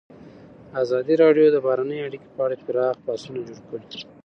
ازادي راډیو د بهرنۍ اړیکې په اړه پراخ بحثونه جوړ کړي.